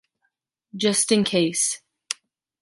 Just in case.